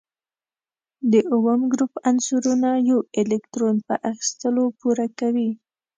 د اووم ګروپ عنصرونه یو الکترون په اخیستلو پوره کوي.